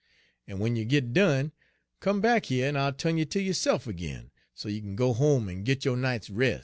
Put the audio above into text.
En w'en you git done, come back heah en I'll tu'n you ter yo'se'f ag'in, so you kin go home en git yo' night's res'.'